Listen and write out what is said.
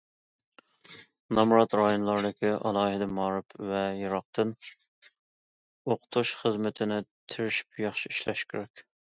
نامرات رايونلاردىكى ئالاھىدە مائارىپ ۋە يىراقتىن ئوقۇتۇش خىزمىتىنى تىرىشىپ ياخشى ئىشلەش كېرەك.